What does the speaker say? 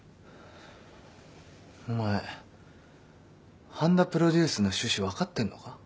お前半田プロデュースの趣旨分かってんのか？